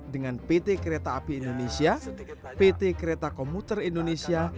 dengan pt kereta api indonesia pt kereta komuter indonesia